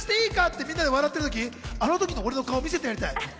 みんなで笑った時、あの時の俺の顔、見せてやりたい。